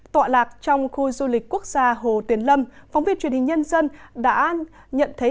tọa lạc trong khu du lịch quốc gia hồ tuyền lâm phóng viên truyền hình nhân dân đã nhận thấy